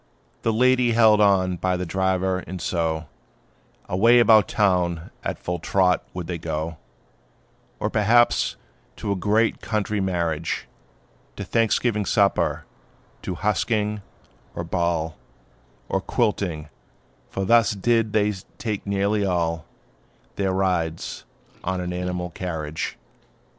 "The lady held on by the driver; and so, Away about town at full trot would they go; Or perhaps to a great country marriage To Thanksgiving supper to husking, or ball; Or quilting; for thus did they take nearly all Their rides, on an animal carriage.